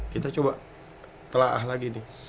kita coba telah lagi nih